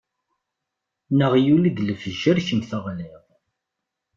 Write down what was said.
Neɣ yuli-d lefjer kemm teɣliḍ.